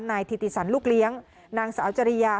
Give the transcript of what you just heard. นายธิติสันลูกเลี้ยงนางสาวจริยา